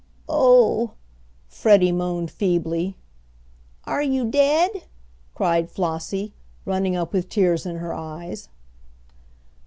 "Oh," Freddie moaned feebly. "Are you dead?" cried Flossie, running up with tears in her eyes.